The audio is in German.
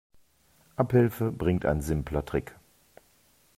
Abhilfe bringt ein simpler Trick.